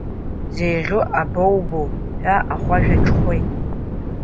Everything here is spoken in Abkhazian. Сеиӷьу абоубо ҳәа ахәажәа ҽхәеит…